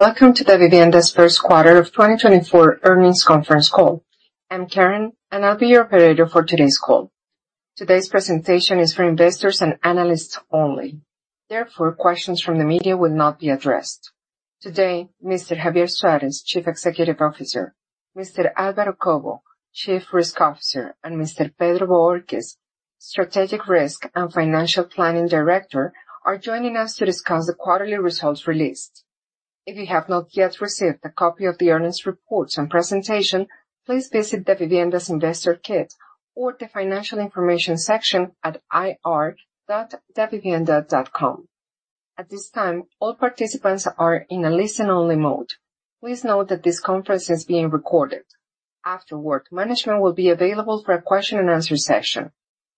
Welcome to Davivienda's First Quarter of 2024 Earnings Conference Call. I'm Karen, and I'll be your operator for today's call. Today's presentation is for investors and analysts only, therefore, questions from the media will not be addressed. Today, Mr. Javier Suárez, Chief Executive Officer, Mr. Álvaro Cobo, Chief Risk Officer, and Mr. Pedro Bohórquez, Strategic Risk and Financial Planning Director, are joining us to discuss the quarterly results released. If you have not yet received a copy of the earnings report and presentation, please visit Davivienda's Investor Kit or the Financial Information section at ir.davivienda.com. At this time, all participants are in a listen-only mode. Please note that this conference is being recorded. Afterward, management will be available for a question and answer session.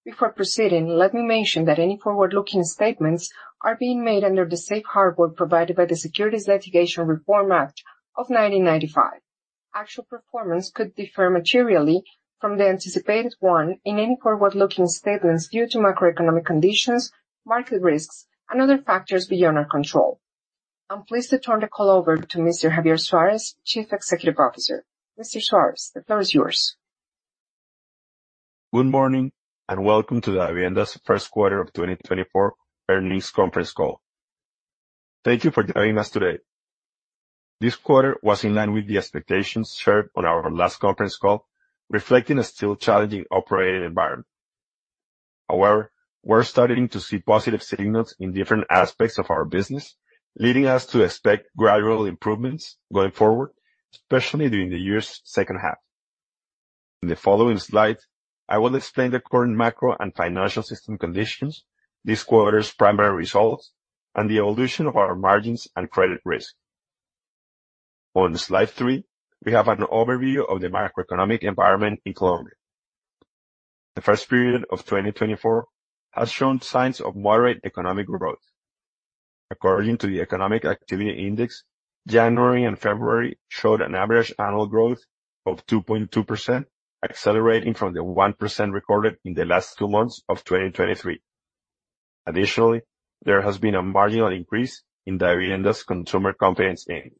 Before proceeding, let me mention that any forward-looking statements are being made under the safe harbor provided by the Securities Litigation Reform Act of 1995. Actual performance could differ materially from the anticipated one in any forward-looking statements due to macroeconomic conditions, market risks, and other factors beyond our control. I'm pleased to turn the call over to Mr. Javier Suárez, Chief Executive Officer. Mr. Suárez, the floor is yours. Good morning, and welcome to Davivienda's First Quarter of 2024 Earnings Conference Call. Thank you for joining us today. This quarter was in line with the expectations shared on our last conference call, reflecting a still challenging operating environment. However, we're starting to see positive signals in different aspects of our business, leading us to expect gradual improvements going forward, especially during the year's second half. In the following slide, I will explain the current macro and financial system conditions, this quarter's primary results, and the evolution of our margins and credit risk. On slide three, we have an overview of the macroeconomic environment in Colombia. The first period of 2024 has shown signs of moderate economic growth. According to the Economic Activity Index, January and February showed an average annual growth of 2.2%, accelerating from the 1% recorded in the last two months of 2023. Additionally, there has been a marginal increase in Davivienda's consumer confidence index.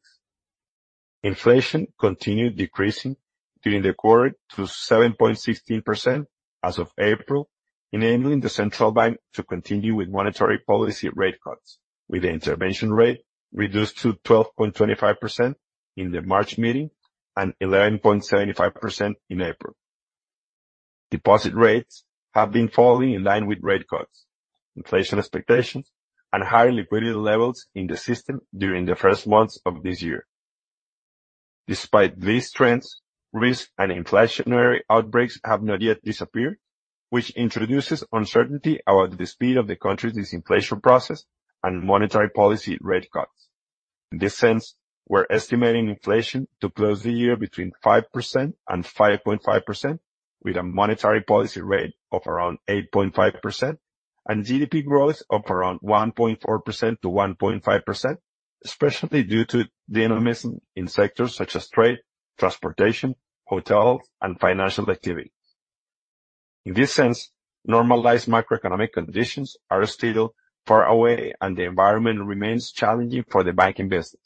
Inflation continued decreasing during the quarter to 7.16% as of April, enabling the central bank to continue with monetary policy rate cuts, with the intervention rate reduced to 12.25% in the March meeting and 11.75% in April. Deposit rates have been falling in line with rate cuts, inflation expectations, and higher liquidity levels in the system during the first months of this year. Despite these trends, risk and inflationary outbreaks have not yet disappeared, which introduces uncertainty about the speed of the country's disinflation process and monetary policy rate cuts. In this sense, we're estimating inflation to close the year between 5% and 5.5%, with a monetary policy rate of around 8.5%, and GDP growth of around 1.4%-1.5%, especially due to the dynamism in sectors such as trade, transportation, hotels, and financial activities. In this sense, normalized macroeconomic conditions are still far away, and the environment remains challenging for the banking business.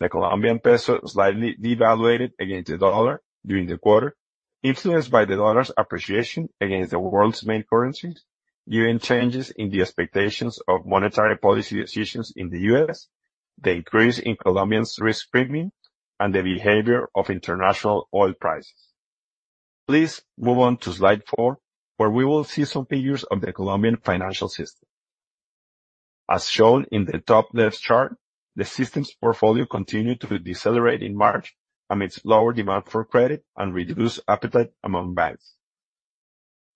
The Colombian peso slightly devalued against the dollar during the quarter, influenced by the dollar's appreciation against the world's main currencies, given changes in the expectations of monetary policy decisions in the U.S., the increase in Colombia's risk premium, and the behavior of international oil prices. Please move on to slide four, where we will see some figures of the Colombian financial system. As shown in the top left chart, the system's portfolio continued to decelerate in March amidst lower demand for credit and reduced appetite among banks.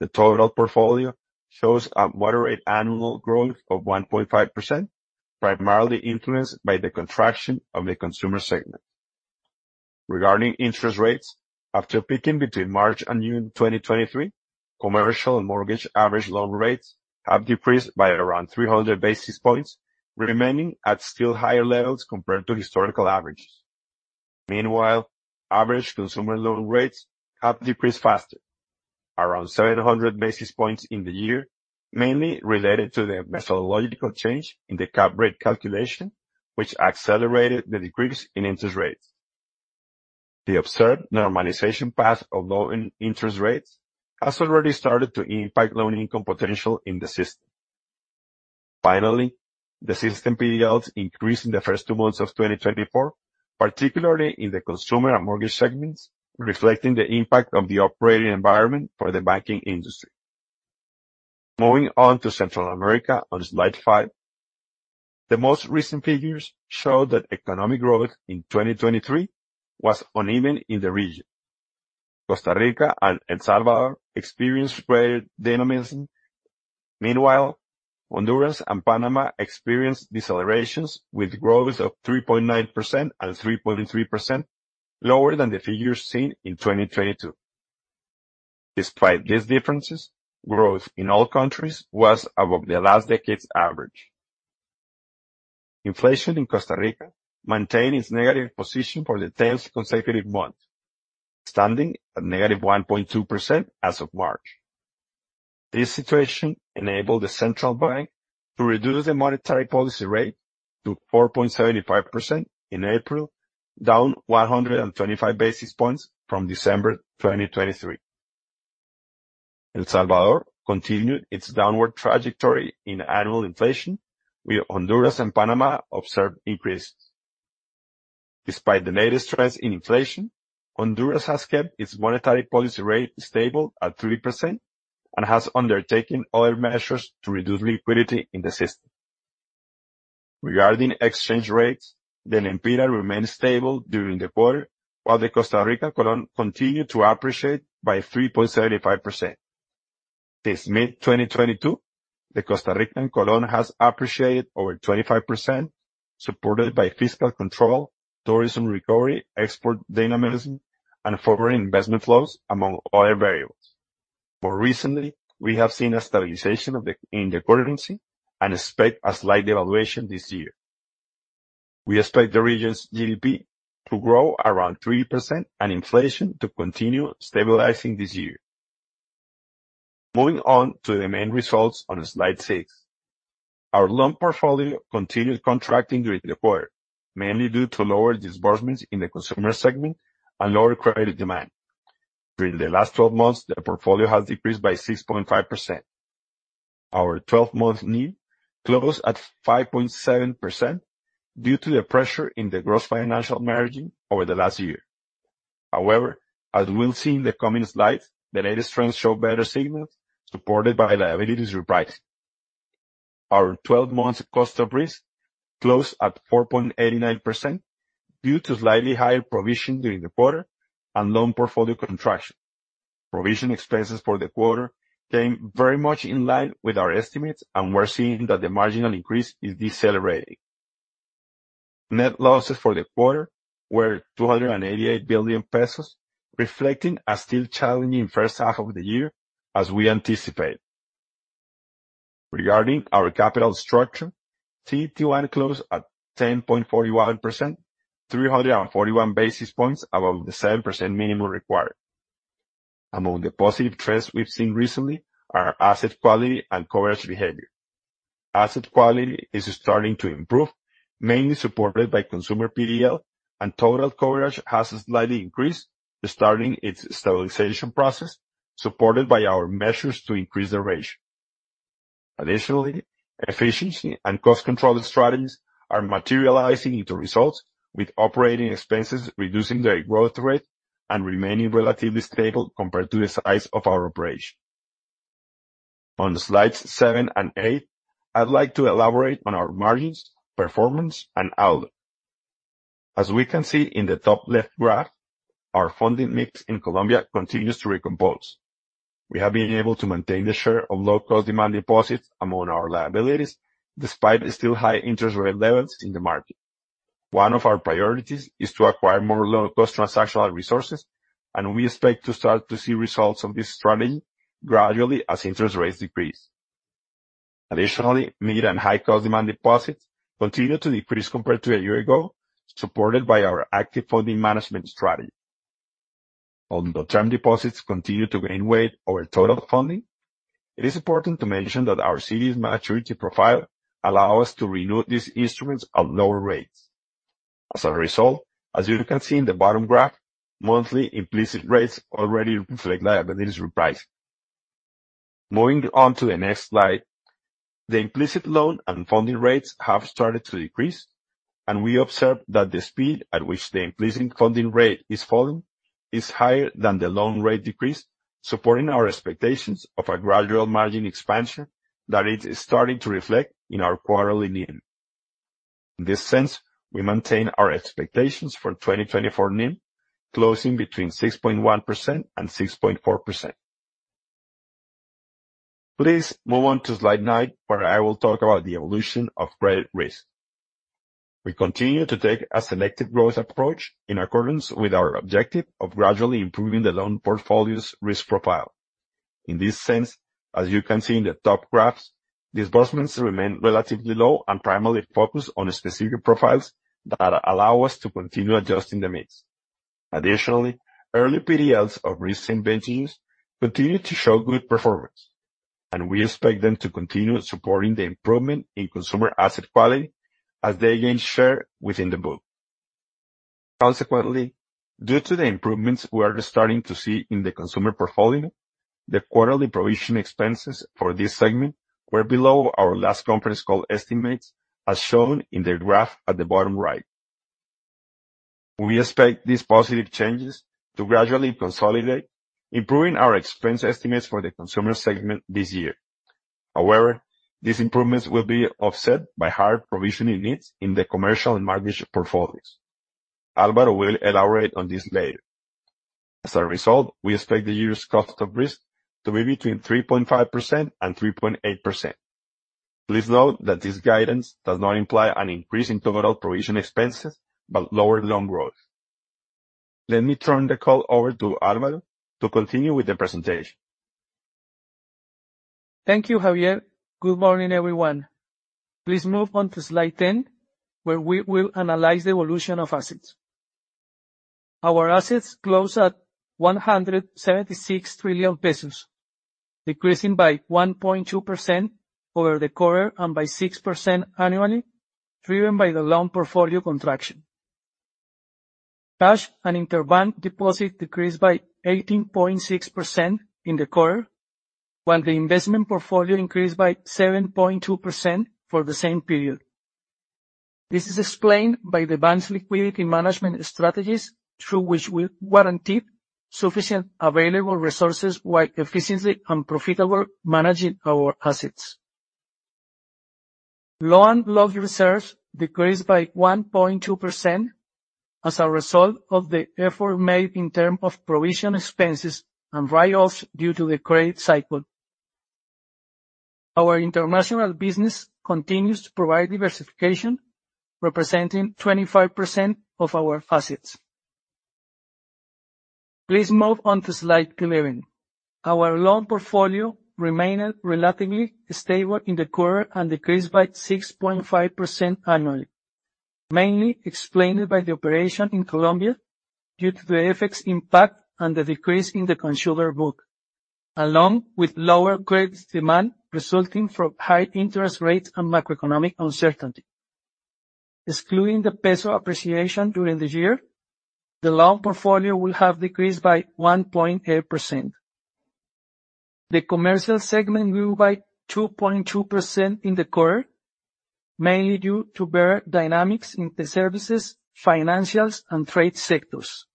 The total portfolio shows a moderate annual growth of 1.5%, primarily influenced by the contraction of the consumer segment. Regarding interest rates, after peaking between March and June 2023, commercial and mortgage average loan rates have decreased by around 300 basis points, remaining at still higher levels compared to historical averages. Meanwhile, average consumer loan rates have decreased faster, around 700 basis points in the year, mainly related to the methodological change in the cap rate calculation, which accelerated the decrease in interest rates. The observed normalization path of loan interest rates has already started to impact loan income potential in the system. Finally, the system PDLs increased in the first two months of 2024, particularly in the consumer and mortgage segments, reflecting the impact of the operating environment for the banking industry. Moving on to Central America on slide five, the most recent figures show that economic growth in 2023 was uneven in the region. Costa Rica and El Salvador experienced greater dynamism. Meanwhile, Honduras and Panama experienced decelerations, with growth of 3.9% and 3.3%, lower than the figures seen in 2022. Despite these differences, growth in all countries was above the last decade's average. Inflation in Costa Rica maintained its negative position for the 10th consecutive month, standing at -1.2% as of March. This situation enabled the central bank to reduce the monetary policy rate to 4.75% in April, down 125 basis points from December 2023. El Salvador continued its downward trajectory in annual inflation, with Honduras and Panama observed increases. Despite the latest trends in inflation, Honduras has kept its monetary policy rate stable at 3%, and has undertaken other measures to reduce liquidity in the system. Regarding exchange rates, the lempira remained stable during the quarter, while the Costa Rican colón continued to appreciate by 3.75%. Since mid-2022, the Costa Rican colón has appreciated over 25%, supported by fiscal control, tourism recovery, export dynamism, and foreign investment flows, among other variables. More recently, we have seen a stabilization of the currency and expect a slight devaluation this year. We expect the region's GDP to grow around 3% and inflation to continue stabilizing this year. Moving on to the main results on slide six. Our loan portfolio continued contracting during the quarter, mainly due to lower disbursements in the consumer segment and lower credit demand. During the last 12 months, the portfolio has decreased by 6.5%. Our 12-month NIM closed at 5.7% due to the pressure in the gross financial margin over the last year. However, as we'll see in the coming slides, the latest trends show better signals, supported by liabilities repricing. Our 12-month cost of risk closed at 4.89% due to slightly higher provision during the quarter and loan portfolio contraction. Provision expenses for the quarter came very much in line with our estimates, and we're seeing that the marginal increase is decelerating. Net losses for the quarter were COP 288 billion, reflecting a still challenging first half of the year, as we anticipated. Regarding our capital structure, CET1 closed at 10.41%, 341 basis points above the 7% minimum required. Among the positive trends we've seen recently are asset quality and coverage behavior. Asset quality is starting to improve, mainly supported by consumer PDL, and total coverage has slightly increased, starting its stabilization process, supported by our measures to increase the ratio. Additionally, efficiency and cost control strategies are materializing into results, with operating expenses reducing their growth rate and remaining relatively stable compared to the size of our operation. On slides 7 and 8, I'd like to elaborate on our margins, performance, and outlook. As we can see in the top left graph, our funding mix in Colombia continues to recompose. We have been able to maintain the share of low-cost demand deposits among our liabilities, despite still high interest rate levels in the market. One of our priorities is to acquire more low-cost transactional resources, and we expect to start to see results of this strategy gradually as interest rates decrease. Additionally, mid and high-cost demand deposits continue to decrease compared to a year ago, supported by our active funding management strategy. Although term deposits continue to gain weight over total funding, it is important to mention that our CDs maturity profile allow us to renew these instruments at lower rates. As a result, as you can see in the bottom graph, monthly implicit rates already reflect liabilities repricing. Moving on to the next slide, the implicit loan and funding rates have started to decrease, and we observe that the speed at which the implicit funding rate is falling is higher than the loan rate decrease, supporting our expectations of a gradual margin expansion that it is starting to reflect in our quarterly NIM. In this sense, we maintain our expectations for 2024 NIM closing between 6.1% and 6.4%. Please move on to slide nine, where I will talk about the evolution of credit risk. We continue to take a selective growth approach in accordance with our objective of gradually improving the loan portfolio's risk profile. In this sense, as you can see in the top graphs, disbursements remain relatively low and primarily focused on specific profiles that allow us to continue adjusting the mix. Additionally, early PDLs of recent vintages continue to show good performance, and we expect them to continue supporting the improvement in consumer asset quality as they gain share within the book. Consequently, due to the improvements we are starting to see in the consumer portfolio, the quarterly provision expenses for this segment were below our last conference call estimates, as shown in the graph at the bottom right. We expect these positive changes to gradually consolidate, improving our expense estimates for the consumer segment this year. However, these improvements will be offset by higher provisioning needs in the commercial and mortgage portfolios. Álvaro will elaborate on this later. As a result, we expect the year's cost of risk to be between 3.5% and 3.8%. Please note that this guidance does not imply an increase in total provision expenses, but lower loan growth. Let me turn the call over to Álvaro to continue with the presentation. Thank you, Javier. Good morning, everyone. Please move on to slide 10, where we will analyze the evolution of assets.... Our assets closed at COP 176 trillion, decreasing by 1.2% over the quarter and by 6% annually, driven by the loan portfolio contraction. Cash and interbank deposit decreased by 18.6% in the quarter, while the investment portfolio increased by 7.2% for the same period. This is explained by the bank's liquidity management strategies, through which we guaranteed sufficient available resources while efficiently and profitable managing our assets. Loan loss reserves decreased by 1.2% as a result of the effort made in terms of provision expenses and write-offs due to the credit cycle. Our international business continues to provide diversification, representing 25% of our assets. Please move on to slide 11. Our loan portfolio remained relatively stable in the quarter and decreased by 6.5% annually, mainly explained by the operation in Colombia due to the FX impact and the decrease in the consumer book, along with lower credit demand resulting from high interest rates and macroeconomic uncertainty. Excluding the peso appreciation during the year, the loan portfolio will have decreased by 1.8%. The commercial segment grew by 2.2% in the quarter, mainly due to better dynamics in the services, financials, and trade sectors.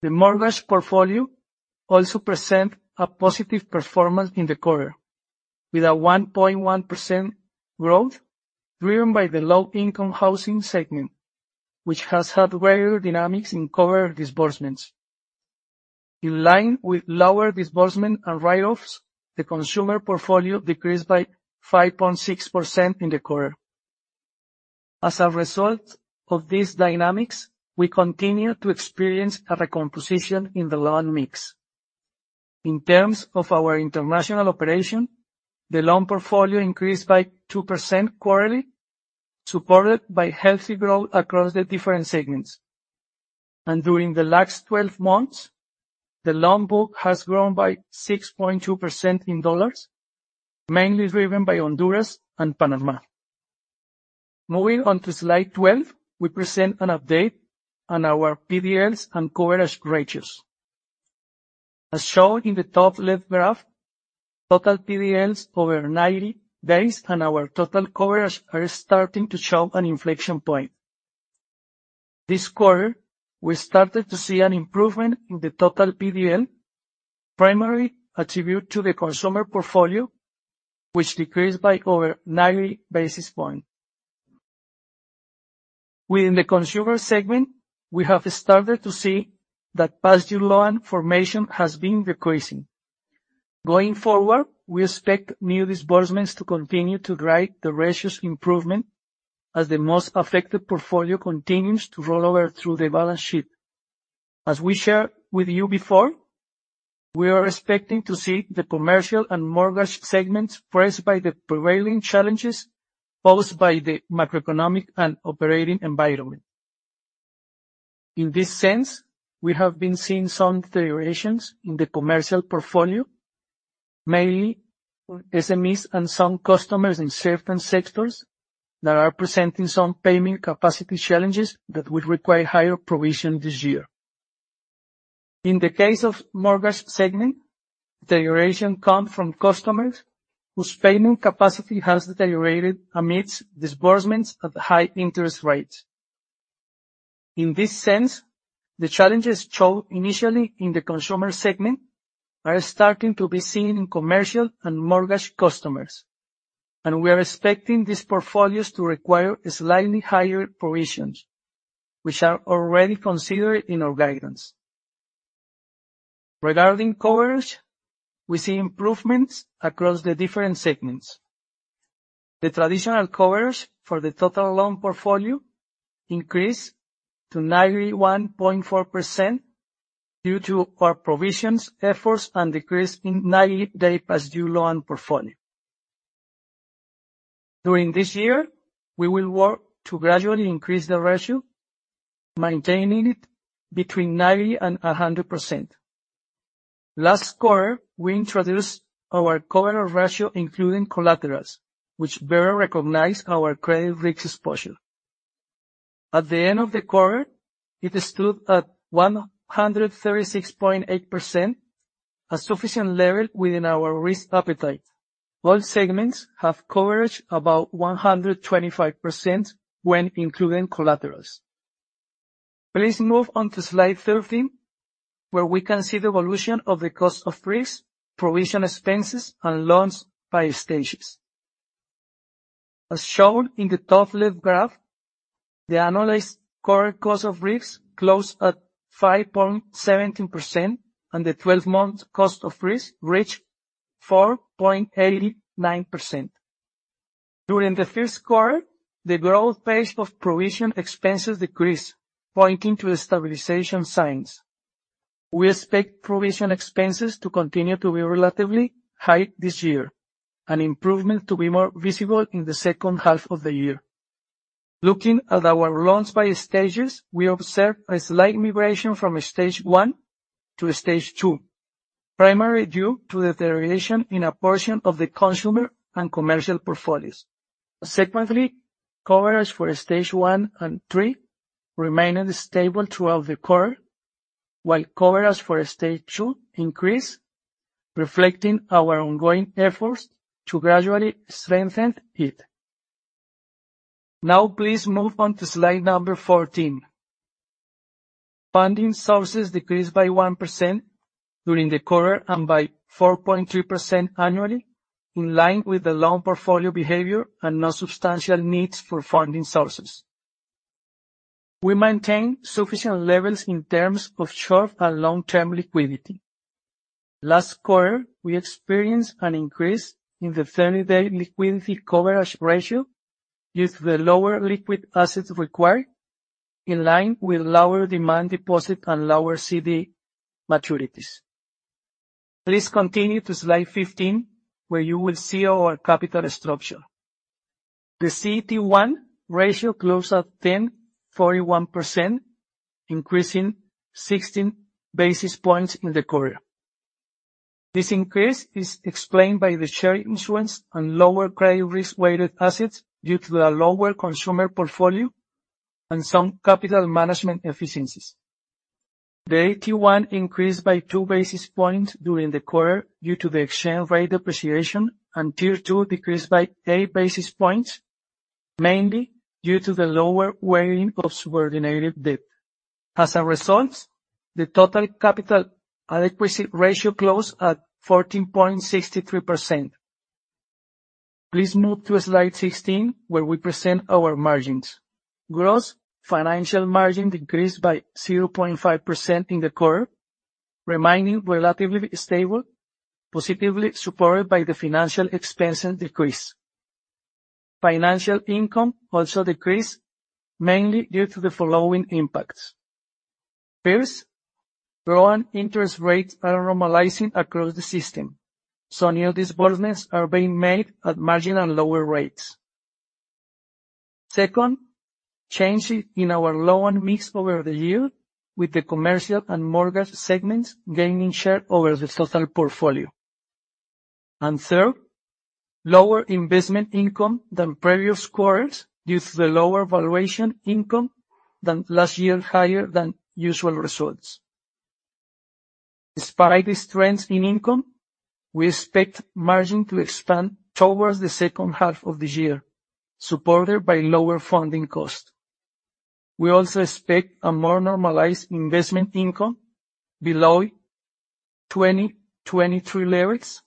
The mortgage portfolio also present a positive performance in the quarter, with a 1.1% growth driven by the low-income housing segment, which has had greater dynamics in quarter disbursements. In line with lower disbursement and write-offs, the consumer portfolio decreased by 5.6% in the quarter. As a result of these dynamics, we continue to experience a recomposition in the loan mix. In terms of our international operation, the loan portfolio increased by 2% quarterly, supported by healthy growth across the different segments. During the last 12 months, the loan book has grown by 6.2% in dollars, mainly driven by Honduras and Panama. Moving on to slide 12, we present an update on our PDLs and coverage ratios. As shown in the top left graph, total PDLs over 90 days, and our total coverage are starting to show an inflection point. This quarter, we started to see an improvement in the total PDL, primarily attributed to the consumer portfolio, which decreased by over 90 basis points. Within the consumer segment, we have started to see that past due loan formation has been decreasing. Going forward, we expect new disbursements to continue to drive the ratios improvement as the most affected portfolio continues to roll over through the balance sheet. As we shared with you before, we are expecting to see the commercial and mortgage segments pressed by the prevailing challenges posed by the macroeconomic and operating environment. In this sense, we have been seeing some deteriorations in the commercial portfolio, mainly for SMEs and some customers in certain sectors that are presenting some payment capacity challenges that will require higher provision this year. In the case of mortgage segment, deterioration come from customers whose payment capacity has deteriorated amidst disbursements at high interest rates. In this sense, the challenges shown initially in the consumer segment are starting to be seen in commercial and mortgage customers, and we are expecting these portfolios to require slightly higher provisions, which are already considered in our guidance. Regarding coverage, we see improvements across the different segments. The traditional coverage for the total loan portfolio increased to 91.4% due to our provisions, efforts, and decrease in 90-day past due loan portfolio. During this year, we will work to gradually increase the ratio, maintaining it between 90% and 100%. Last quarter, we introduced our coverage ratio, including collaterals, which better recognize our credit risk exposure. At the end of the quarter, it stood at 136.8%, a sufficient level within our risk appetite. All segments have coverage about 125% when including collaterals. Please move on to slide 13, where we can see the evolution of the cost of risks, provision expenses, and loans by stages. As shown in the top left graph, the annualized quarter cost of risks closed at 5.17%, and the twelve-month cost of risks reached 4.89%. During the first quarter, the growth pace of provision expenses decreased, pointing to the stabilization signs. We expect provision expenses to continue to be relatively high this year, and improvement to be more visible in the second half of the year. Looking at our loans by stages, we observe a slight migration from stage 1 to stage 2, primarily due to the deterioration in a portion of the consumer and commercial portfolios. Secondly, coverage for stage 1 and 3 remained stable throughout the quarter, while coverage for stage 2 increased, reflecting our ongoing efforts to gradually strengthen it. Now, please move on to slide number 14. Funding sources decreased by 1% during the quarter, and by 4.3% annually, in line with the loan portfolio behavior and no substantial needs for funding sources. We maintain sufficient levels in terms of short and long-term liquidity. Last quarter, we experienced an increase in the 30-day liquidity coverage ratio due to the lower liquid assets required, in line with lower demand deposit and lower CD maturities. Please continue to slide 15, where you will see our capital structure. The CET1 ratio closed at 10.1%, increasing 16 basis points in the quarter. This increase is explained by the share issuance and lower credit risk-weighted assets due to a lower consumer portfolio and some capital management efficiencies. The AT1 increased by 2 basis points during the quarter due to the exchange rate appreciation, and Tier 2 decreased by 8 basis points, mainly due to the lower weighting of subordinated debt. As a result, the total capital adequacy ratio closed at 14.63%. Please move to slide 16, where we present our margins. Gross financial margin decreased by 0.5% in the quarter, remaining relatively stable, positively supported by the financial expenses decrease. Financial income also decreased, mainly due to the following impacts. First, loan interest rates are normalizing across the system, so new disbursements are being made at margin and lower rates. Second, changes in our loan mix over the year, with the commercial and mortgage segments gaining share over the total portfolio. Third, lower investment income than previous quarters, due to the lower valuation income than last year, higher than usual results. Despite the strengths in income, we expect margin to expand towards the second half of this year, supported by lower funding costs. We also expect a more normalized investment income below 2023 levels,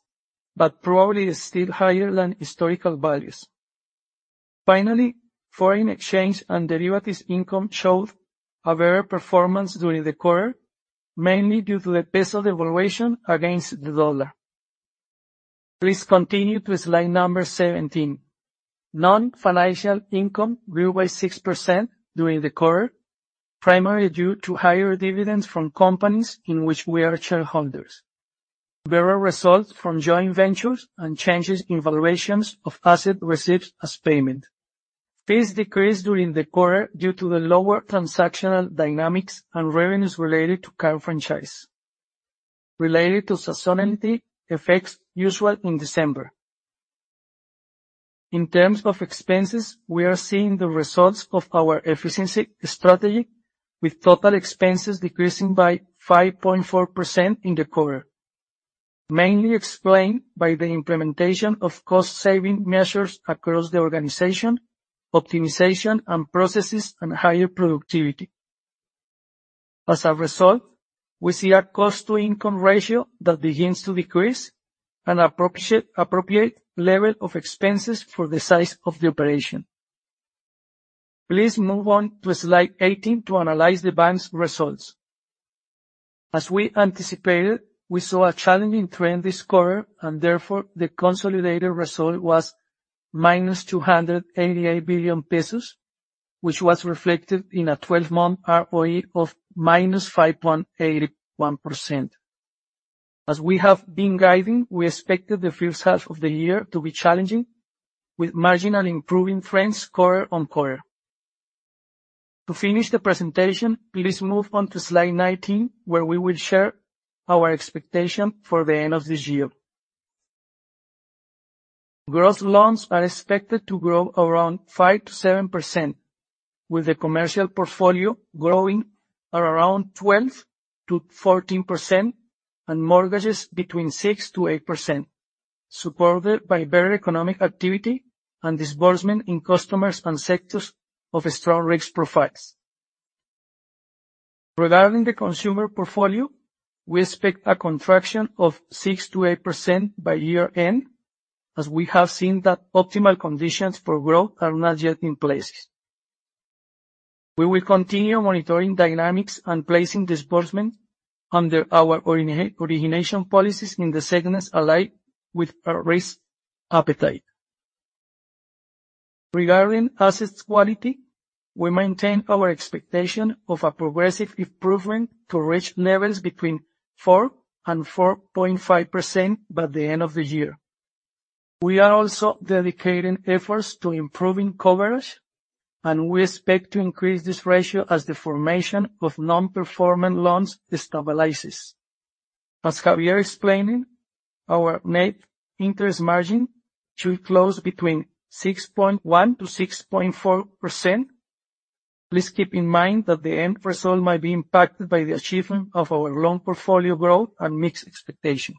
but probably still higher than historical values. Finally, foreign exchange and derivatives income showed a better performance during the quarter, mainly due to the peso devaluation against the dollar. Please continue to slide 17. Non-financial income grew by 6% during the quarter, primarily due to higher dividends from companies in which we are shareholders, better results from joint ventures, and changes in valuations of assets received as payment. Fees decreased during the quarter due to the lower transactional dynamics and revenues related to card franchise, related to seasonality effects usual in December. In terms of expenses, we are seeing the results of our efficiency strategy, with total expenses decreasing by 5.4% in the quarter, mainly explained by the implementation of cost-saving measures across the organization, optimization and processes, and higher productivity. As a result, we see a cost-to-income ratio that begins to decrease and appropriate, appropriate level of expenses for the size of the operation. Please move on to slide 18 to analyze the bank's results. As we anticipated, we saw a challenging trend this quarter, and therefore, the consolidated result was -COP 288 billion, which was reflected in a twelve-month ROE of -5.81%. As we have been guiding, we expected the first half of the year to be challenging, with marginal improving trends quarter-over-quarter. To finish the presentation, please move on to slide 19, where we will share our expectation for the end of this year. Gross loans are expected to grow around 5%-7%, with the commercial portfolio growing at around 12%-14% and mortgages between 6%-8%, supported by better economic activity and disbursement in customers and sectors of strong risk profiles. Regarding the consumer portfolio, we expect a contraction of 6%-8% by year-end, as we have seen that optimal conditions for growth are not yet in place. We will continue monitoring dynamics and placing disbursements under our origination policies in the segments aligned with our risk appetite. Regarding assets quality, we maintain our expectation of a progressive improvement to reach levels between 4% and 4.5% by the end of the year. We are also dedicating efforts to improving coverage, and we expect to increase this ratio as the formation of non-performing loans stabilizes. As Javier explained, our net interest margin should close between 6.1%-6.4%. Please keep in mind that the end result might be impacted by the achievement of our loan portfolio growth and mix expectation.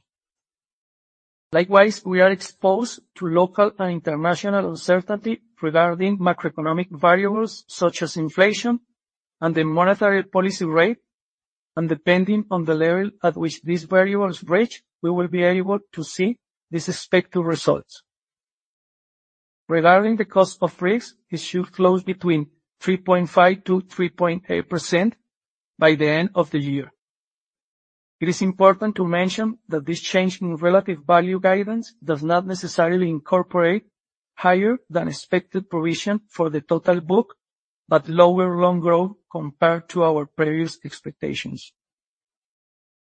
Likewise, we are exposed to local and international uncertainty regarding macroeconomic variables such as inflation and the monetary policy rate, and depending on the level at which these variables reach, we will be able to see this expected results. Regarding the cost of risks, it should close between 3.5%-3.8% by the end of the year. It is important to mention that this change in relative value guidance does not necessarily incorporate higher than expected provision for the total book, but lower loan growth compared to our previous expectations.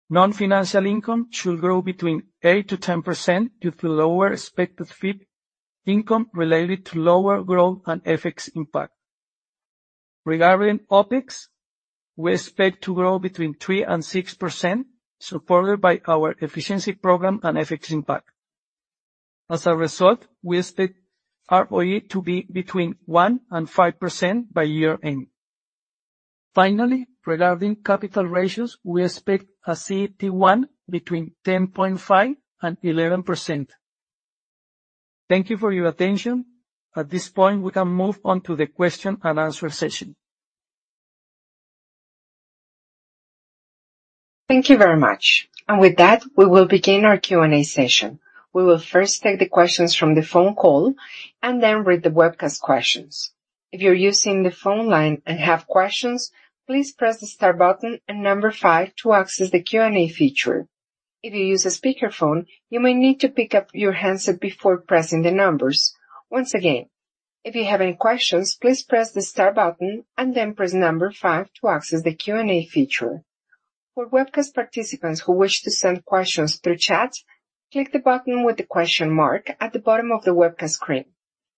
Non-financial income should grow between 8%-10% due to lower expected fee income related to lower growth and FX impact. Regarding OpEx, we expect to grow between 3%-6%, supported by our efficiency program and FX impact. As a result, we expect ROE to be between 1%-5% by year end. Finally, regarding capital ratios, we expect a CET1 between 10.5%-11%. Thank you for your attention. At this point, we can move on to the question and answer session. Thank you very much. And with that, we will begin our Q&A session. We will first take the questions from the phone call and then read the webcast questions. If you're using the phone line and have questions, please press the star button and number five to access the Q&A feature. If you use a speakerphone, you may need to pick up your handset before pressing the numbers. Once again, if you have any questions, please press the star button and then press number five to access the Q&A feature. For webcast participants who wish to send questions through chat, click the button with the question mark at the bottom of the webcast screen.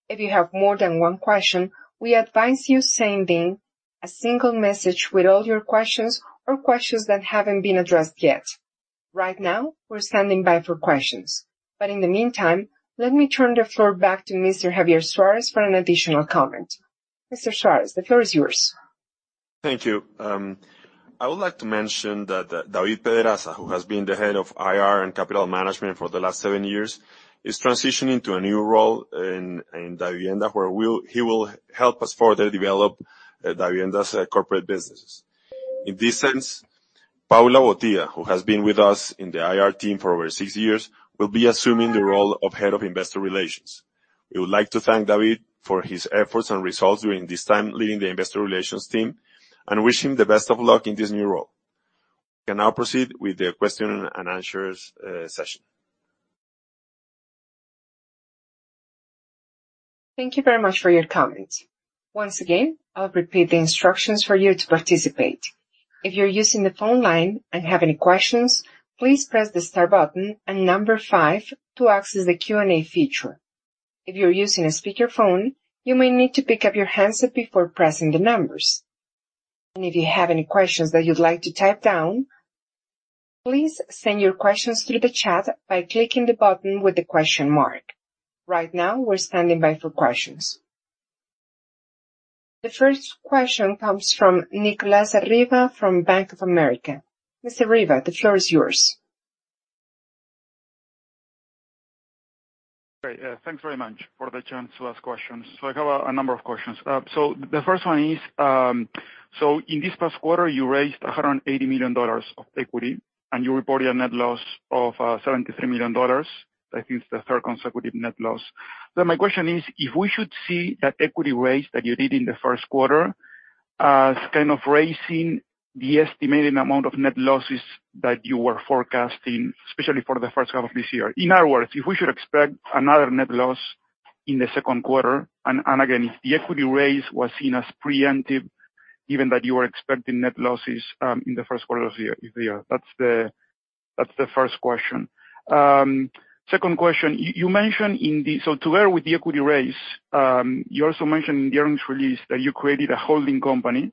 If you have more than one question, we advise you send in a single message with all your questions or questions that haven't been addressed yet. Right now, we're standing by for questions, but in the meantime, let me turn the floor back to Mr. Javier Suárez for an additional comment. Mr. Suárez, the floor is yours. Thank you. I would like to mention that David Pedraza, who has been the head of IR and capital management for the last seven years, is transitioning to a new role in Davivienda, where he will help us further develop Davivienda's corporate businesses. In this sense, Paula Botia, who has been with us in the IR team for over six years, will be assuming the role of head of investor relations. We would like to thank David for his efforts and results during this time leading the investor relations team, and wish him the best of luck in this new role. We can now proceed with the question and answers session. Thank you very much for your comments. Once again, I'll repeat the instructions for you to participate. If you're using the phone line and have any questions, please press the star button and number five to access the Q&A feature. If you're using a speakerphone, you may need to pick up your handset before pressing the numbers. And if you have any questions that you'd like to type down, please send your questions through the chat by clicking the button with the question mark. Right now, we're standing by for questions. The first question comes from Nicolas Riva from Bank of America. Mr. Arriba, the floor is yours. Great. Thanks very much for the chance to ask questions. So I have a number of questions. So the first one is, so in this past quarter, you raised $180 million of equity, and you reported a net loss of $73 million. I think it's the third consecutive net loss. So my question is: If we should see that equity raise that you did in the first quarter as kind of raising the estimated amount of net losses that you were forecasting, especially for the first half of this year. In other words, if we should expect another net loss in the second quarter, and again, if the equity raise was seen as preemptive, given that you were expecting net losses in the first quarter of the year, of the year. That's the first question. Second question, you mentioned in the... so, too, with the equity raise, you also mentioned during this release that you created a holding company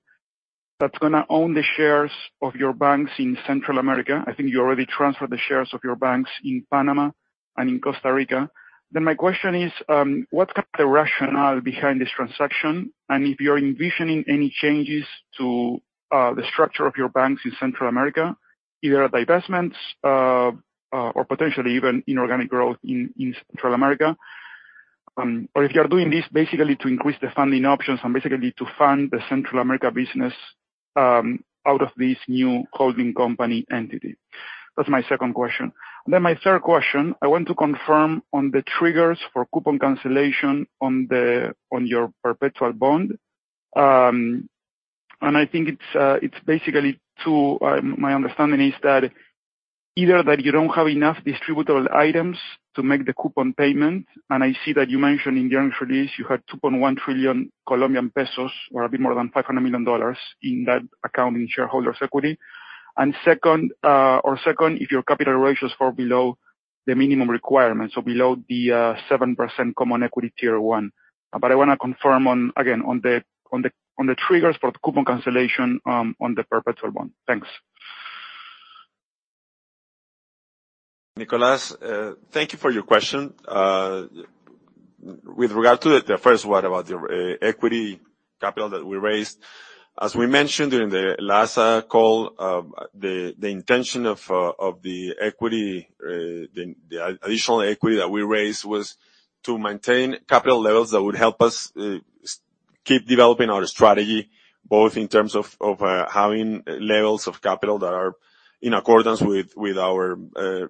that's gonna own the shares of your banks in Central America. I think you already transferred the shares of your banks in Panama and in Costa Rica. Then my question is, what's kind of the rationale behind this transaction? And if you're envisioning any changes to the structure of your banks in Central America, either divestments or potentially even inorganic growth in Central America, or if you are doing this basically to increase the funding options and basically to fund the Central America business out of this new holding company entity? That's my second question. Then my third question, I want to confirm on the triggers for coupon cancellation on your perpetual bond. I think it's basically, to my understanding, that either you don't have enough distributable items to make the coupon payment, and I see that you mentioned in the earnings release, you had COP 2.1 trillion, or a bit more than $500 million in that account, in shareholders' equity. Second, if your capital ratios fall below the minimum requirements, so below the 7% Common Equity Tier 1. But I wanna confirm on, again, on the triggers for the coupon cancellation on the perpetual bond. Thanks. Nicolas, thank you for your question. With regard to the first one about the equity capital that we raised, as we mentioned during the last call, the intention of the equity, the additional equity that we raised was to maintain capital levels that would help us keep developing our strategy, both in terms of having levels of capital that are in accordance with our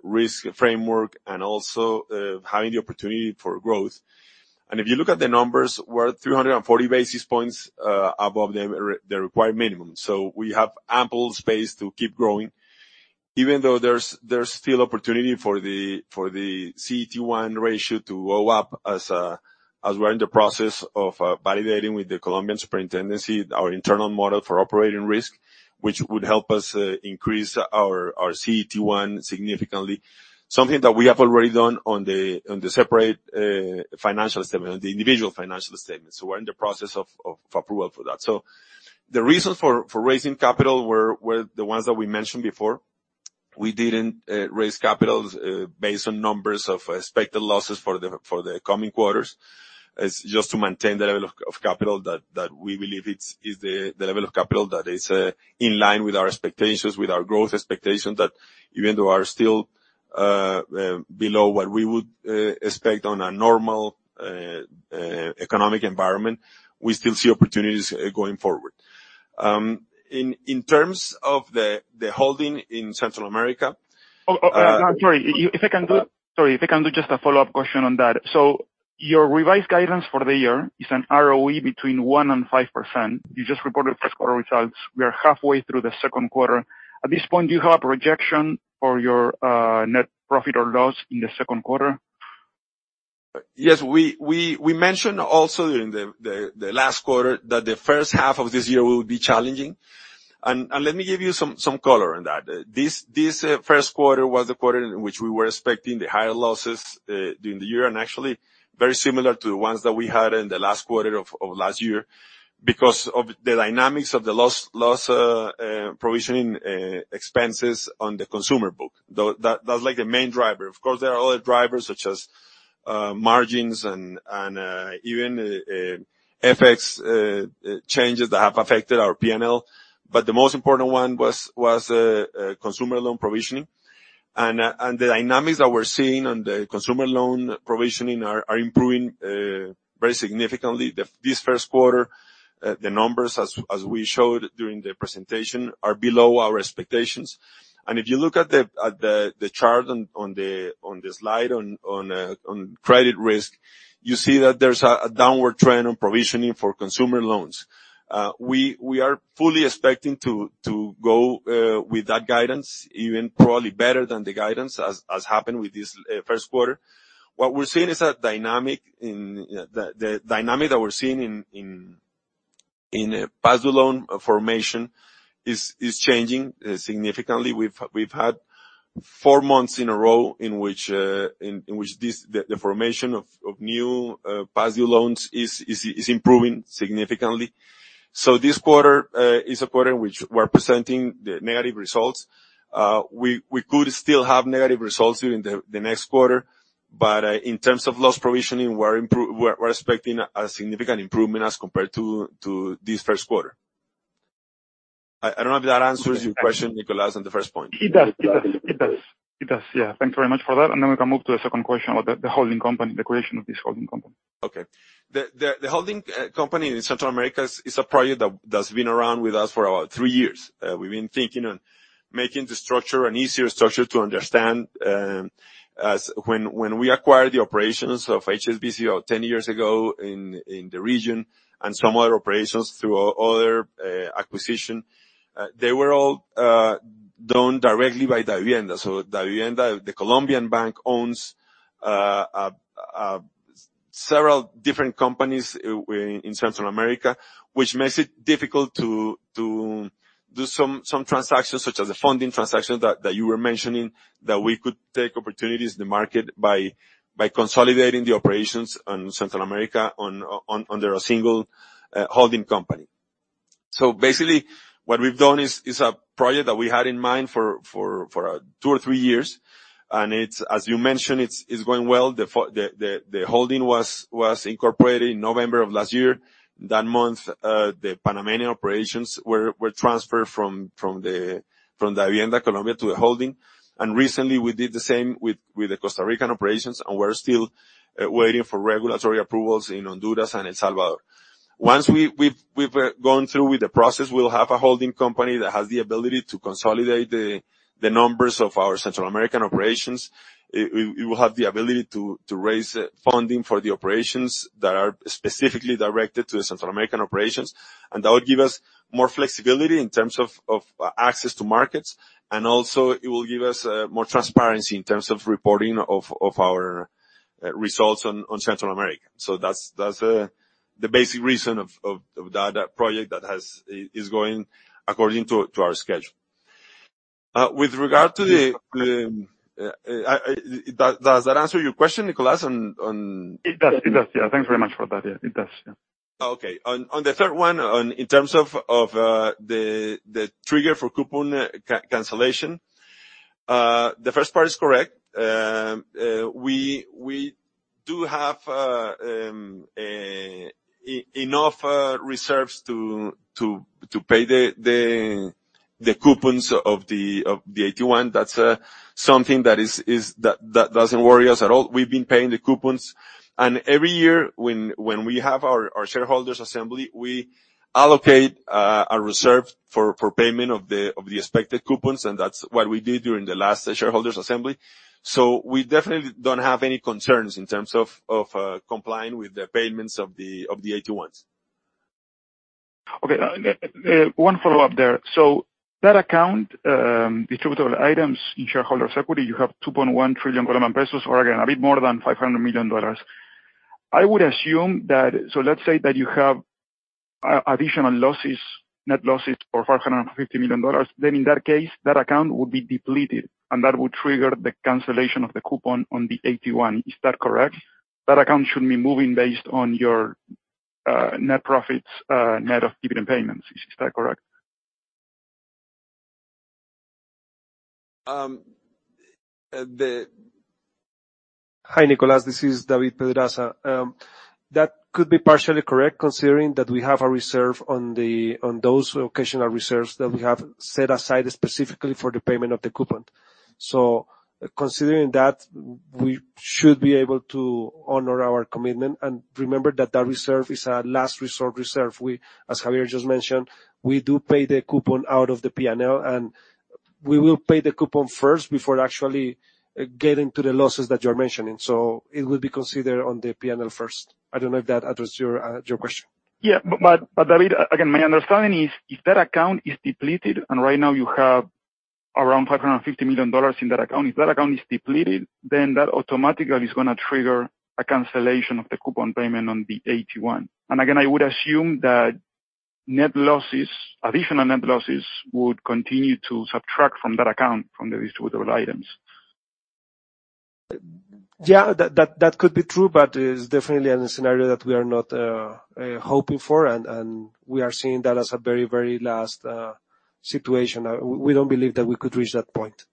risk framework, and also having the opportunity for growth. And if you look at the numbers, we're at 340 basis points above the required minimum, so we have ample space to keep growing. Even though there's still opportunity for the CET1 ratio to go up as we're in the process of validating with the Colombian Superintendency, our internal model for operating risk, which would help us increase our CET1 significantly. Something that we have already done on the separate financial statement, on the individual financial statements. So we're in the process of approval for that. So the reasons for raising capital were the ones that we mentioned before. We didn't raise capital based on numbers of expected losses for the coming quarters. It's just to maintain the level of capital that we believe it's the level of capital that is in line with our expectations, with our growth expectations, that even though are still below what we would expect on a normal economic environment, we still see opportunities going forward. In terms of the holding in Central America. Sorry, if I can do just a follow-up question on that. So your revised guidance for the year is an ROE between 1% and 5%. You just reported first quarter results. We are halfway through the second quarter. At this point, do you have a projection for your net profit or loss in the second quarter? Yes, we mentioned also during the last quarter that the first half of this year will be challenging. Let me give you some color on that. This first quarter was the quarter in which we were expecting the higher losses during the year, and actually very similar to the ones that we had in the last quarter of last year, because of the dynamics of the loss provisioning expenses on the consumer book. Though that's like the main driver. Of course, there are other drivers such as margins and even FX changes that have affected our PNL, but the most important one was consumer loan provisioning. The dynamics that we're seeing on the consumer loan provisioning are improving very significantly. This first quarter, the numbers as we showed during the presentation, are below our expectations. And if you look at the chart on the slide on credit risk, you see that there's a downward trend on provisioning for consumer loans. We are fully expecting to go with that guidance, even probably better than the guidance, as happened with this first quarter. What we're seeing is a dynamic in... The dynamic that we're seeing in past due loan formation is changing significantly. We've had four months in a row in which this the formation of new past-due loans is improving significantly. So this quarter is a quarter in which we're presenting the negative results. We could still have negative results during the next quarter, but in terms of loss provisioning, we're expecting a significant improvement as compared to this first quarter. I don't know if that answers your question, Nicolas, on the first point. It does. It does. It does. It does. Yeah. Thank you very much for that, and then we can move to the second question about the holding company, the creation of this holding company. Okay. The holding company in Central America is a project that's been around with us for about three years. We've been thinking on making the structure an easier structure to understand, as when we acquired the operations of HSBC about ten years ago in the region, and some other operations through other acquisition, they were all done directly by Davivienda. So Davivienda, the Colombian bank, owns several different companies in Central America, which makes it difficult to do some transactions, such as the funding transaction that you were mentioning, that we could take opportunities in the market by consolidating the operations in Central America under a single holding company. So basically, what we've done is a project that we had in mind for two or three years, and it's, as you mentioned, going well. The holding was incorporated in November of last year. That month, the Panamanian operations were transferred from Davivienda, Colombia, to the holding. And recently, we did the same with the Costa Rican operations, and we're still waiting for regulatory approvals in Honduras and El Salvador. Once we've gone through with the process, we'll have a holding company that has the ability to consolidate the numbers of our Central American operations. We will have the ability to raise funding for the operations that are specifically directed to the Central American operations, and that will give us more flexibility in terms of access to markets, and also it will give us more transparency in terms of reporting of our results on Central America. So that's the basic reason of that project that is going according to our schedule. With regard to the, does that answer your question, Nicholas, on- It does. It does, yeah. Thanks very much for that. Yeah, it does, yeah. Okay. On the third one, in terms of the trigger for coupon cancellation, the first part is correct. We do have enough reserves to pay the coupons of the AT1. That's something that doesn't worry us at all. We've been paying the coupons, and every year, when we have our shareholders' assembly, we allocate a reserve for payment of the expected coupons, and that's what we did during the last shareholders' assembly. So we definitely don't have any concerns in terms of complying with the payments of the AT1s. Okay. One follow-up there. So that account, distributable items in shareholders' equity, you have COP 2.1 trillion, or again, a bit more than $500 million. I would assume that... So let's say that you have additional losses, net losses for $550 million. Then in that case, that account would be depleted, and that would trigger the cancellation of the coupon on the AT1. Is that correct? That account should be moving based on your net profits, net of dividend payments. Is that correct? Hi, Nicholas. This is David Pedraza. That could be partially correct, considering that we have a reserve on the, on those occasional reserves that we have set aside specifically for the payment of the coupon. So considering that, we should be able to honor our commitment, and remember that that reserve is a last resort reserve. We, as Javier just mentioned, we do pay the coupon out of the P&L, and we will pay the coupon first, before actually getting to the losses that you're mentioning. So it will be considered on the P&L first. I don't know if that answers your question. Yeah. But, but, but, David, again, my understanding is, if that account is depleted, and right now you have around $550 million in that account, if that account is depleted, then that automatically is gonna trigger a cancellation of the coupon payment on the AT1. And again, I would assume that net losses, additional net losses, would continue to subtract from that account, from the distributable items. Yeah, that could be true, but it's definitely a scenario that we are not hoping for, and we are seeing that as a very, very last situation. We don't believe that we could reach that point.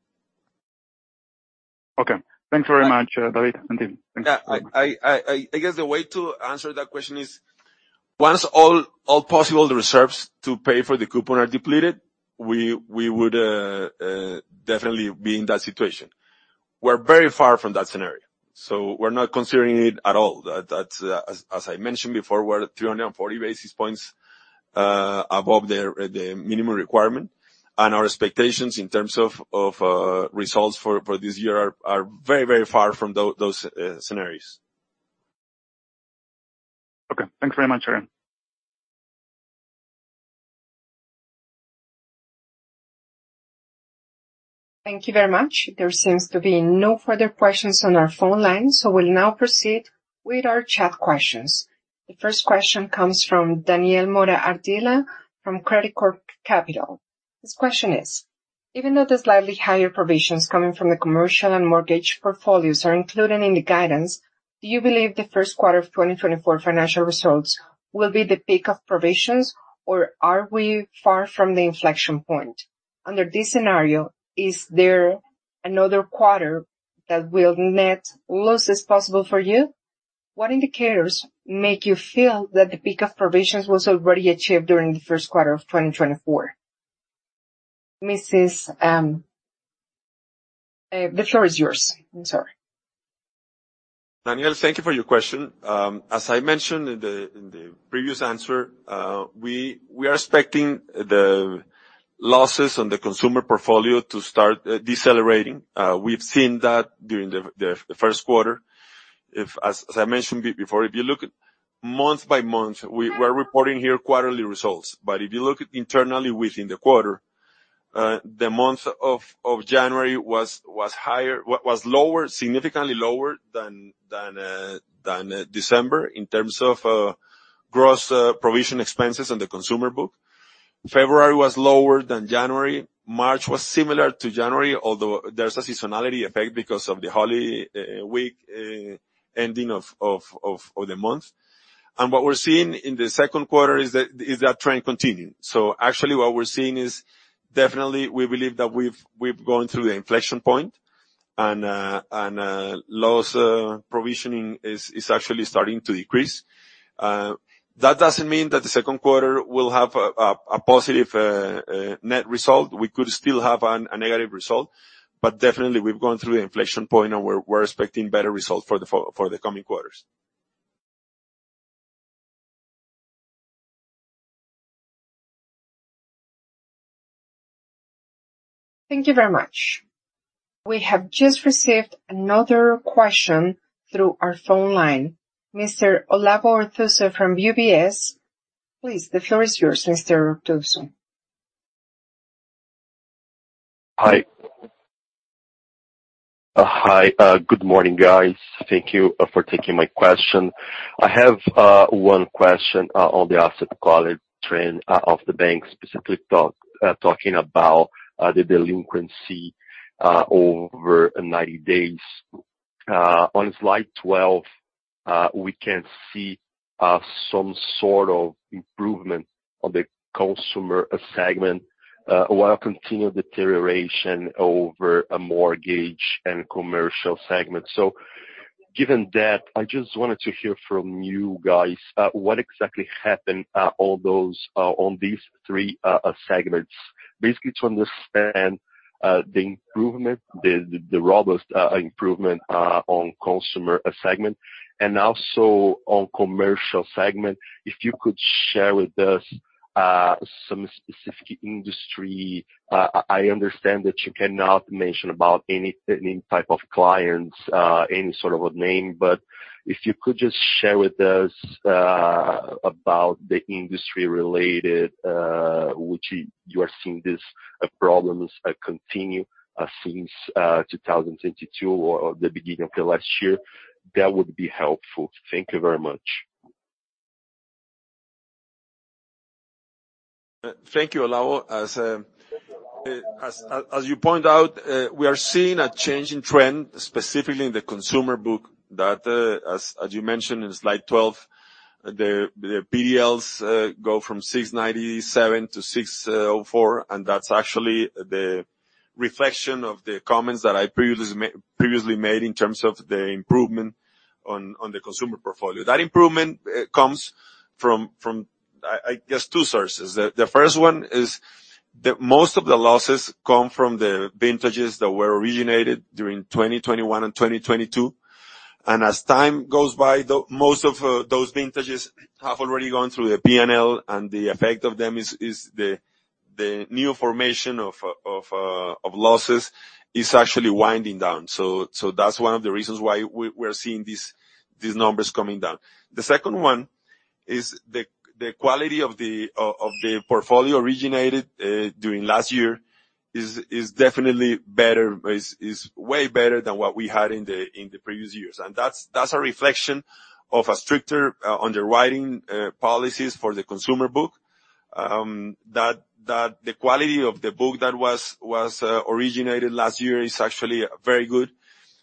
Okay. Thanks very much, David and team. Thanks. Yeah, I guess the way to answer that question is, once all possible reserves to pay for the coupon are depleted, we would definitely be in that situation. We're very far from that scenario, so we're not considering it at all. That's as I mentioned before, we're at 340 basis points above the minimum requirement, and our expectations in terms of results for this year are very, very far from those scenarios. Okay, thanks very much again. Thank you very much. There seems to be no further questions on our phone line, so we'll now proceed with our chat questions. The first question comes from Daniel Mora Ardila from Credicorp Capital. This question is: Even though the slightly higher provisions coming from the commercial and mortgage portfolios are included in the guidance, do you believe the first quarter of 2024 financial results will be the peak of provisions, or are we far from the inflection point? Under this scenario, is there another quarter that will net losses possible for you? What indicators make you feel that the peak of provisions was already achieved during the first quarter of 2024? Mrs., the floor is yours. I'm sorry. Danielle, thank you for your question. As I mentioned in the previous answer, we are expecting the losses on the consumer portfolio to start decelerating. We've seen that during the first quarter. If, as I mentioned before, if you look at month by month, we're reporting here quarterly results, but if you look internally within the quarter, the month of January was lower, significantly lower than December in terms of gross provision expenses in the consumer book. February was lower than January. March was similar to January, although there's a seasonality effect because of the holiday week ending of the month. And what we're seeing in the second quarter is that trend continuing. So actually what we're seeing is definitely we believe that we've gone through the inflection point, and loss provisioning is actually starting to decrease. That doesn't mean that the second quarter will have a positive net result. We could still have a negative result, but definitely we've gone through the inflection point, and we're expecting better results for the coming quarters. Thank you very much. We have just received another question through our phone line. Mr. Olavo Arthuzo from UBS, please, the floor is yours, Mr. Artuso.... Hi. Hi, good morning, guys. Thank you for taking my question. I have one question on the asset quality trend of the bank, specifically talking about the delinquency over 90 days. On slide 12, we can see some sort of improvement on the consumer segment, while continued deterioration over a mortgage and commercial segment. So given that, I just wanted to hear from you guys, what exactly happened on those, on these three segments? Basically, to understand the improvement, the robust improvement on consumer segment and also on commercial segment, if you could share with us some specific industry. I understand that you cannot mention about any type of clients, any sort of a name, but if you could just share with us about the industry related which you are seeing these problems continue since 2022 or the beginning of the last year, that would be helpful. Thank you very much. Thank you, Olavo. As you point out, we are seeing a changing trend, specifically in the consumer book, that, as you mentioned in slide 12, the PDLs go from 697 to 604, and that's actually the reflection of the comments that I previously made in terms of the improvement on the consumer portfolio. That improvement comes from, I guess two sources. The first one is that most of the losses come from the vintages that were originated during 2021 and 2022, and as time goes by, most of those vintages have already gone through the PNL, and the effect of them is the new formation of losses is actually winding down. So that's one of the reasons why we're seeing these numbers coming down. The second one is the quality of the portfolio originated during last year is definitely better, way better than what we had in the previous years. That's a reflection of a stricter underwriting policies for the consumer book. The quality of the book that was originated last year is actually very good.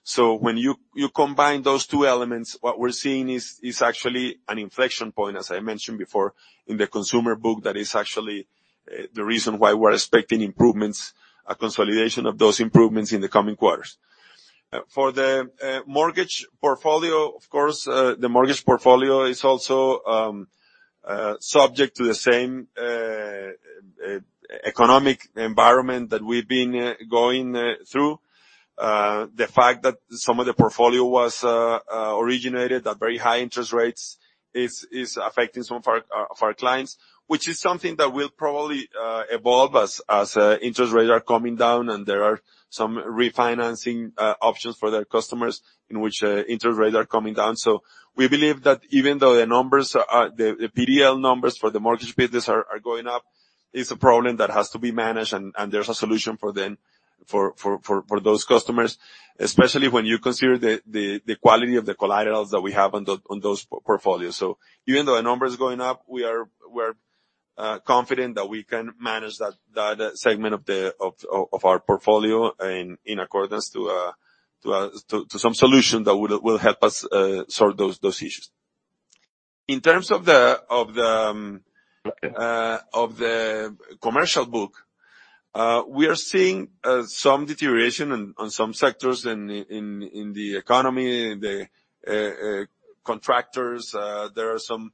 So when you combine those two elements, what we're seeing is actually an inflection point, as I mentioned before, in the consumer book. That is actually the reason why we're expecting improvements, a consolidation of those improvements in the coming quarters. For the mortgage portfolio, of course, the mortgage portfolio is also subject to the same economic environment that we've been going through. The fact that some of the portfolio was originated at very high interest rates is affecting some of our clients, which is something that will probably evolve as interest rates are coming down, and there are some refinancing options for their customers in which interest rates are coming down. So we believe that even though the numbers are... The PDL numbers for the mortgage business are going up, it's a problem that has to be managed, and there's a solution for them, for those customers, especially when you consider the quality of the collaterals that we have on those portfolios. So even though the numbers are going up, we're confident that we can manage that segment of our portfolio in accordance to some solution that will help us solve those issues. In terms of the commercial book, we are seeing some deterioration on some sectors in the economy, in the contractors. There are some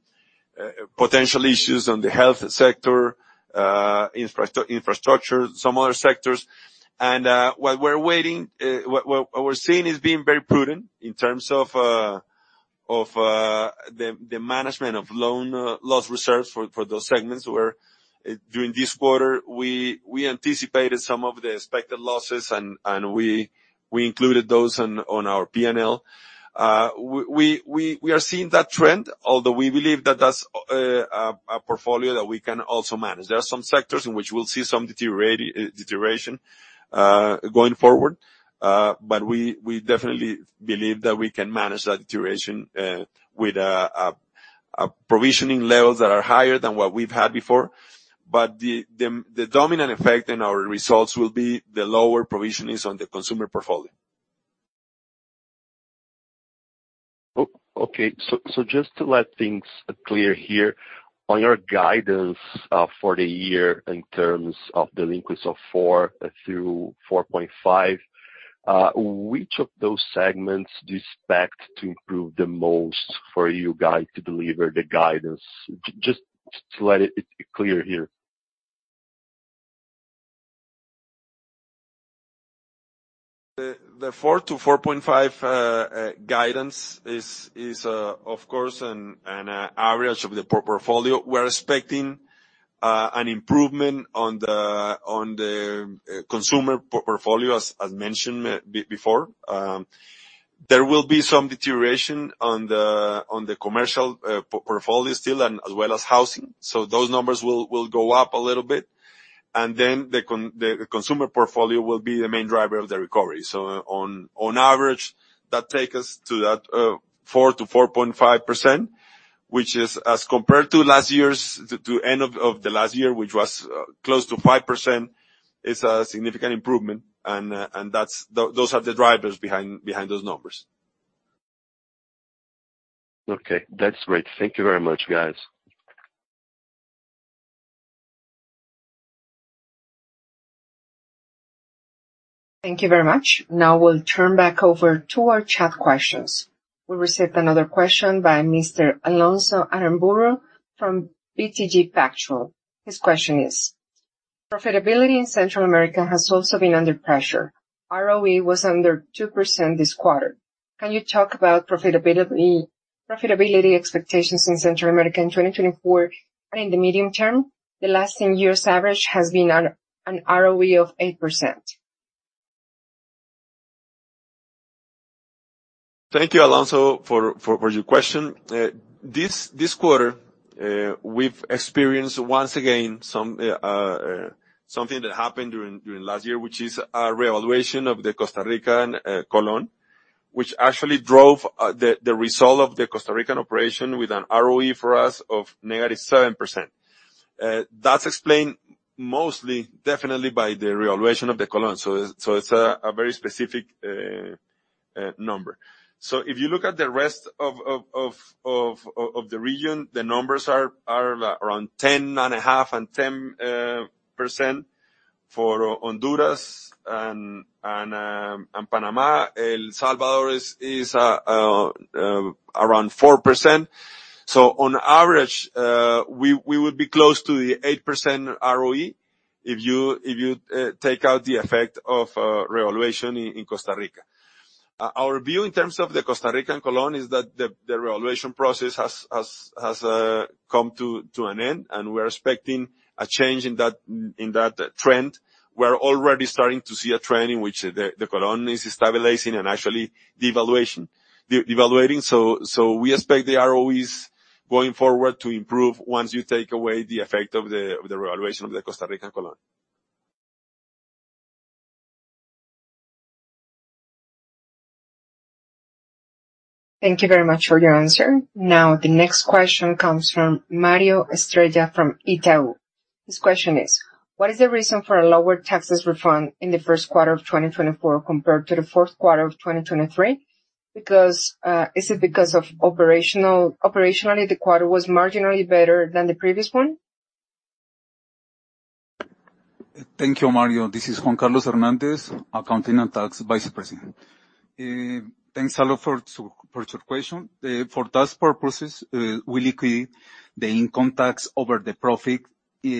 potential issues on the health sector, infrastructure, some other sectors. What we're seeing is being very prudent in terms of the management of loan loss reserves for those segments, where during this quarter, we anticipated some of the expected losses, and we included those on our PNL. We are seeing that trend, although we believe that that's a portfolio that we can also manage. There are some sectors in which we'll see some deterioration going forward. But we definitely believe that we can manage that deterioration with provisioning levels that are higher than what we've had before. But the dominant effect in our results will be the lower provisionings on the consumer portfolio. Oh, okay. So, so just to let things clear here, on your guidance for the year in terms of delinquency of 4-4.5, which of those segments do you expect to improve the most for you guys to deliver the guidance? Just to let it clear here. The 4-4.5 guidance is, of course, an average of the portfolio. We're expecting an improvement on the consumer portfolio, as mentioned before. There will be some deterioration on the commercial portfolio still, and as well as housing. So those numbers will go up a little bit, and then the consumer portfolio will be the main driver of the recovery. So on average, that take us to that 4%-4.5%, which is as compared to last year's end of the last year, which was close to 5%, is a significant improvement. And that's those are the drivers behind those numbers. Okay, that's great. Thank you very much, guys. Thank you very much. Now, we'll turn back over to our chat questions. We received another question by Mr. Alonso Aramburu from BTG Pactual. His question is: Profitability in Central America has also been under pressure. ROE was under 2% this quarter. Can you talk about profitability, profitability expectations in Central America in 2024 and in the medium term? The last 10 years' average has been an ROE of 8%. Thank you, Alonso, for your question. This quarter, we've experienced, once again, something that happened during last year, which is a revaluation of the Costa Rican colón, which actually drove the result of the Costa Rican operation with an ROE for us of negative 7%. That's explained mostly, definitely by the revaluation of the colón. So it's a very specific number. So if you look at the rest of the region, the numbers are around 10.5 and 10% for Honduras and Panama. El Salvador is around 4%. So on average, we would be close to the 8% ROE if you take out the effect of revaluation in Costa Rica. Our view, in terms of the Costa Rican colón, is that the revaluation process has come to an end, and we're expecting a change in that trend. We're already starting to see a trend in which the colón is stabilizing and actually devaluing. So we expect the ROEs going forward to improve once you take away the effect of the revaluation of the Costa Rican colón. Thank you very much for your answer. Now, the next question comes from Mario Estrella from Itaú. His question is: What is the reason for a lower taxes refund in the first quarter of 2024 compared to the fourth quarter of 2023? Because, is it because operationally, the quarter was marginally better than the previous one? Thank you, Mario. This is Juan Carlos Hernández, Accounting and Tax Vice President. Thanks a lot for your question. For tax purposes, we liquid the income tax over the profit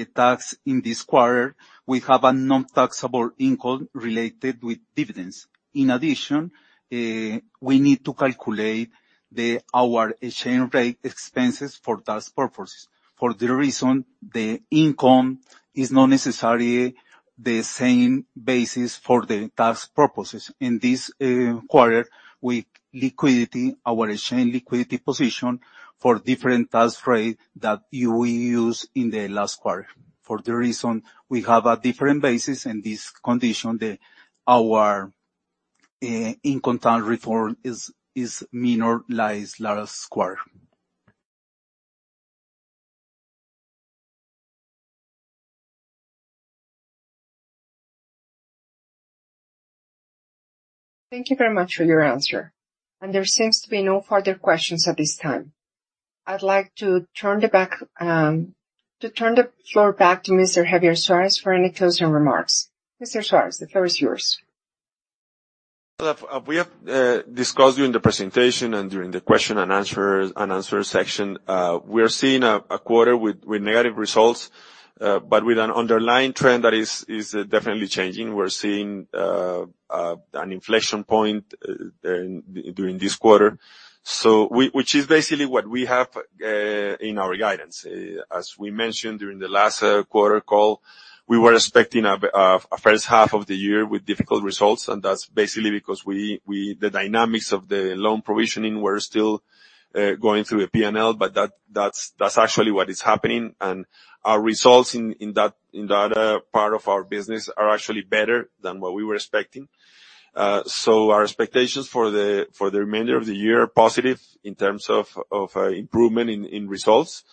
tax. In this quarter, we have a non-taxable income related with dividends. In addition, we need to calculate our exchange rate expenses for tax purposes. For the reason, the income is not necessarily the same basis for the tax purposes. In this quarter, we liquidity our exchange liquidity position for different tax rate that you will use in the last quarter. For the reason, we have a different basis in this condition, our income tax reform is minor like last quarter. Thank you very much for your answer. There seems to be no further questions at this time. I'd like to turn it back, to turn the floor back to Mr. Javier Suárez for any closing remarks. Mr. Suárez, the floor is yours. We have discussed during the presentation and during the question and answers, and answer section. We are seeing a quarter with negative results, but with an underlying trend that is definitely changing. We're seeing an inflection point during this quarter, so which is basically what we have in our guidance. As we mentioned during the last quarter call, we were expecting a first half of the year with difficult results, and that's basically because the dynamics of the loan provisioning were still going through a P&L, but that's actually what is happening. And our results in that part of our business are actually better than what we were expecting. So our expectations for the remainder of the year are positive in terms of improvement in results,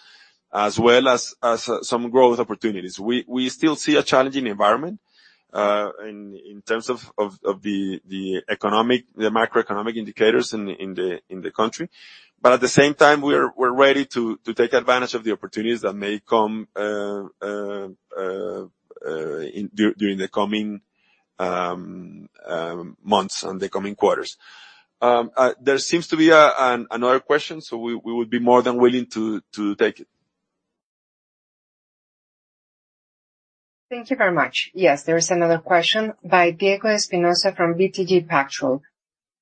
as well as some growth opportunities. We still see a challenging environment in terms of the macroeconomic indicators in the country, but at the same time, we're ready to take advantage of the opportunities that may come during the coming months and the coming quarters. There seems to be another question, so we would be more than willing to take it. Thank you very much. Yes, there is another question by Diego Espinosa from BTG Pactual.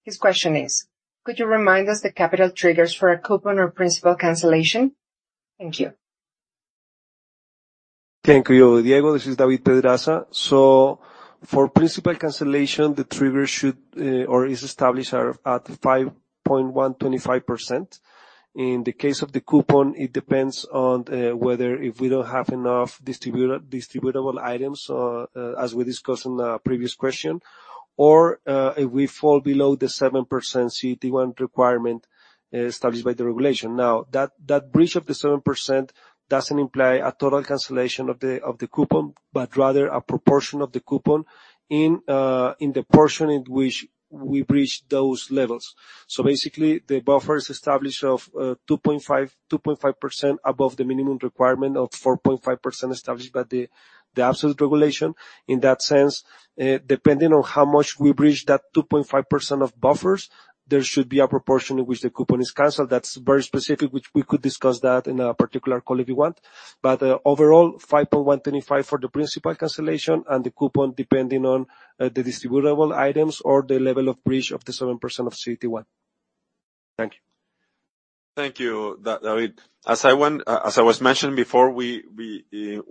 His question is: Could you remind us the capital triggers for a coupon or principal cancellation? Thank you.... Thank you, Diego. This is David Pedraza. So for principal cancellation, the trigger is established at 5.125%. In the case of the coupon, it depends on whether if we don't have enough distributable items, or, as we discussed in the previous question, or, if we fall below the 7% CET1 requirement established by the regulation. Now, that breach of the 7% doesn't imply a total cancellation of the coupon, but rather a proportion of the coupon in the portion in which we breach those levels. So basically, the buffer is established of 2.5, 2.5% above the minimum requirement of 4.5% established by the absolute regulation. In that sense, depending on how much we breach that 2.5% of buffers, there should be a proportion in which the coupon is canceled. That's very specific, which we could discuss that in a particular call if you want. But, overall, 5.125 for the principal cancellation, and the coupon, depending on, the distributable items or the level of breach of the 7% of CET1. Thank you. Thank you, David. As I was mentioning before, we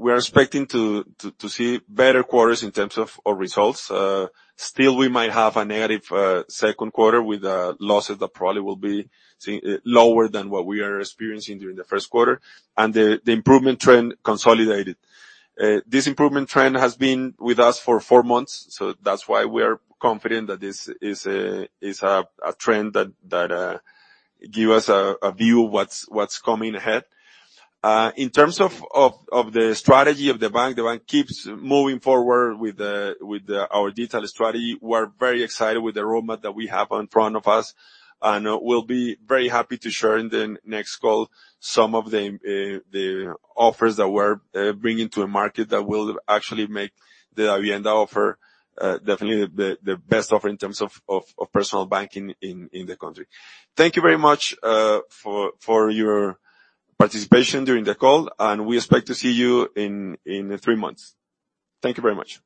are expecting to see better quarters in terms of our results. Still, we might have a negative second quarter with losses that probably will be lower than what we are experiencing during the first quarter, and the improvement trend consolidated. This improvement trend has been with us for four months, so that's why we are confident that this is a trend that give us a view of what's coming ahead. In terms of the strategy of the bank, the bank keeps moving forward with our digital strategy. We're very excited with the roadmap that we have in front of us, and we'll be very happy to share in the next call some of the offers that we're bringing to the market, that will actually make the Davivienda offer definitely the best offer in terms of personal banking in the country. Thank you very much for your participation during the call, and we expect to see you in three months. Thank you very much.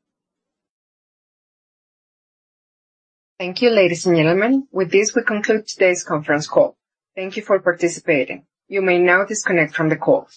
Thank you, ladies and gentlemen. With this, we conclude today's conference call. Thank you for participating. You may now disconnect from the call.